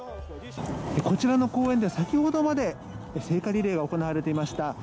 こちらの公園で先ほどまで聖火リレーが行われていました。